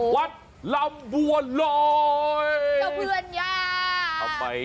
วัดลำบัวลอย